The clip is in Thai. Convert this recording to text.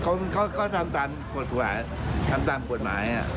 ก็ทำตามกฎหัวทำตามกฎหมาย